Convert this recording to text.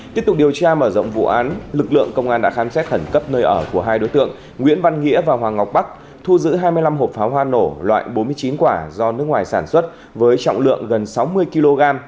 tiếp tục điều tra mở rộng vụ án lực lượng công an đã khám xét khẩn cấp nơi ở của hai đối tượng nguyễn văn nghĩa và hoàng ngọc bắc thu giữ hai mươi năm hộp pháo hoa nổ loại bốn mươi chín quả do nước ngoài sản xuất với trọng lượng gần sáu mươi kg